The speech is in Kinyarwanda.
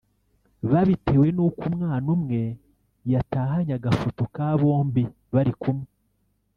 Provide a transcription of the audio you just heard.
babitewe nuko umwana umwe yatahanye agafoto ka bombi bari kumwe